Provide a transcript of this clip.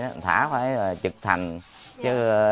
mình thả phải trực thăng